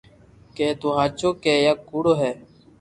ڪي تو ھاچو ھي يا ڪوڙو ھي